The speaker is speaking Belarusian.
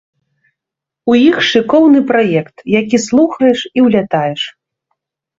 У іх шыкоўны праект, які слухаеш і ўлятаеш.